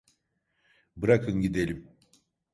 Bırakın gidelim.